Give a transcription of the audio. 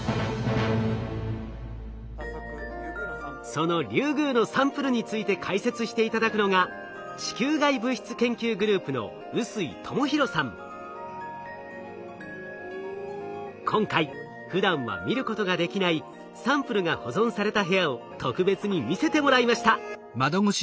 そのリュウグウのサンプルについて解説して頂くのが今回ふだんは見ることができないサンプルが保存された部屋を特別に見せてもらいました。